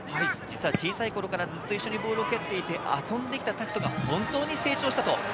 小さい頃からずっと一緒にボールを蹴っていて、遊んでいた拓人が本当に成長した。